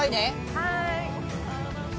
はい。